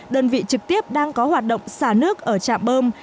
đơn vị trực tiếp đang có hoạt động xả nước ở trạm bơm